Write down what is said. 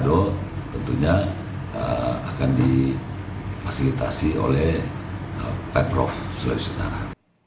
do tentunya akan difasilitasi oleh pemprov sulawesi utara